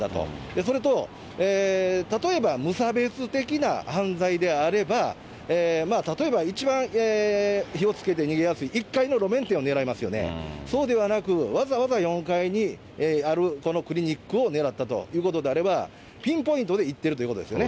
それと例えば無差別的な犯罪であれば、例えば一番火をつけて逃げやすい１階の路面店を狙いますよね、そうではなく、わざわざ４階にあるこのクリニックを狙ったということであれば、ピンポイントで行ってるということですよね。